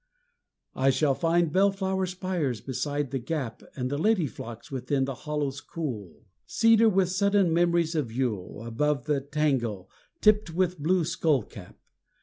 I shall find bell flower spires beside the gap And lady phlox within the hollow's cool; Cedar with sudden memories of Yule Above the tangle tipped with blue skullcap.